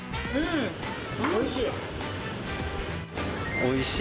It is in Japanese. おいしい。